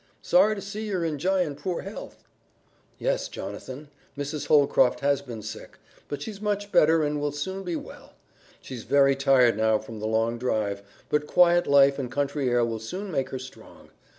Sorry to see yer enj'yin' poor health." "Yes, Jonathan, Mrs. Holcroft has been sick, but she's much better and will soon be well. She's very tired now from the long drive, but quiet life and country air will soon make her strong.